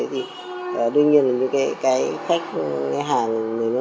thì đương nhiên là những cái khách hàng nước ngoài